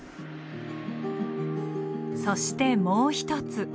そしてもう一つ。